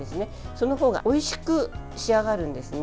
その方がおいしく仕上がるんですね。